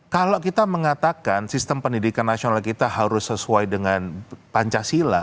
kalau kita mengatakan sistem pendidikan nasional kita harus sesuai dengan pancasila